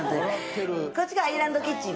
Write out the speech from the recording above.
こっちがアイランドキッチン。